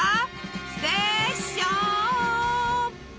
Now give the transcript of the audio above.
ステーショーン！